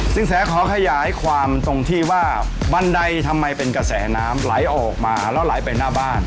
แสขอขยายความตรงที่ว่าบันไดทำไมเป็นกระแสน้ำไหลออกมาแล้วไหลไปหน้าบ้าน